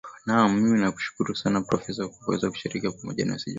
naam mimi nakushukuru sana profesa kwa kuweza kushiriki pamoja nasi aa jumapili ya leo